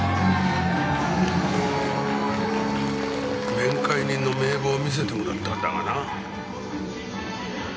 面会人の名簿を見せてもらったんだがな。